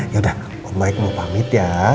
ya udah om baik mu pamit ya